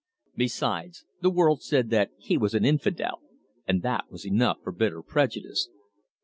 Besides, the world said that he was an infidel, and that was enough for bitter prejudice.